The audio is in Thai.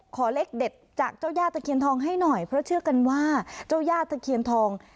ขอเลขเด็ดจากเจ้าย่าตะเคียนทองให้หน่อยเพราะเชื่อกันว่าเจ้าย่าตะเคียนทอง